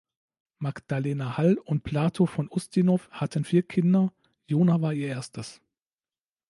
Magdalena Hall und Plato von Ustinow hatten vier Kinder, Jona war ihr erstes.